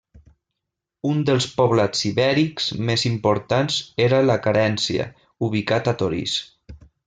Un dels poblats ibèrics més importants era La Carència, ubicat a Torís.